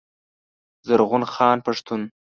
زرغون خان پښتون